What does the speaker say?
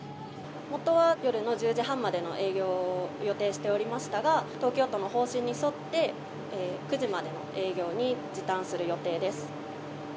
本当は夜１０時半までの営業を予定しておりましたが、東京都の方針に沿って、９時までの営業に時短する予定です。